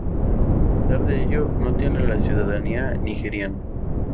A pesar de ello, no tiene la ciudadanía nigeriana.